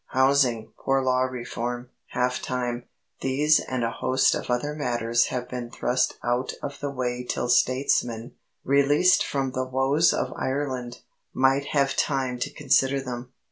Housing, poor law reform, half time these and a host of other matters have been thrust out of the way till statesmen, released from the woes of Ireland, might have time to consider them.